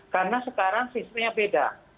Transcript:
karena sekarang sinternya beda